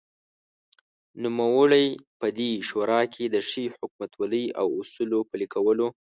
نوموړی په دې شورا کې دښې حکومتولۍ او اصولو پلې کولو